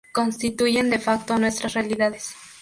constituyen de facto nuestras realidades